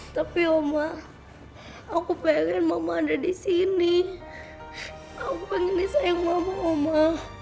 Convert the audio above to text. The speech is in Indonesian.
tapi oma aku pengen mama ada di sini aku pengen nih sayang mama oma